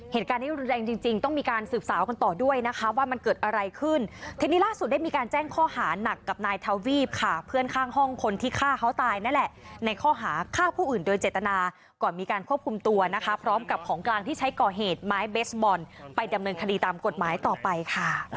เหตุการณ์นี้รุนแรงจริงจริงต้องมีการสืบสาวกันต่อด้วยนะคะว่ามันเกิดอะไรขึ้นทีนี้ล่าสุดได้มีการแจ้งข้อหานักกับนายทวีปค่ะเพื่อนข้างห้องคนที่ฆ่าเขาตายนั่นแหละในข้อหาฆ่าผู้อื่นโดยเจตนาก่อนมีการควบคุมตัวนะคะพร้อมกับของกลางที่ใช้ก่อเหตุไม้เบสบอลไปดำเนินคดีตามกฎหมายต่อไปค่ะ